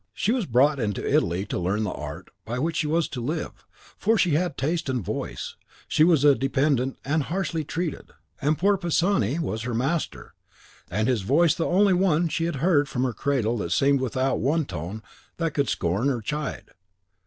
She was brought into Italy to learn the art by which she was to live, for she had taste and voice; she was a dependant and harshly treated, and poor Pisani was her master, and his voice the only one she had heard from her cradle that seemed without one tone that could scorn or chide.